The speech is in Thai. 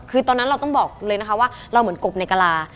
คือตอนนั้นเราต้องบอกเลยนะคะว่าเราเหมือนกบในกะลา